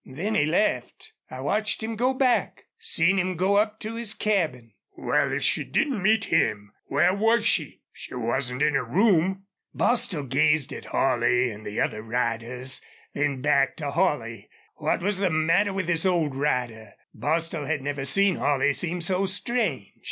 Then he left. I watched him go back seen him go up to his cabin." "Wal, if she didn't meet him, where was she? She wasn't in her room." Bostil gazed at Holley and the other riders, then back to Holley. What was the matter with this old rider? Bostil had never seen Holley seem so strange.